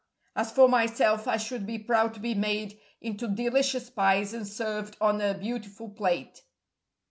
As for myself, I should be proud to be made into delicious pies and served on a beautiful plate."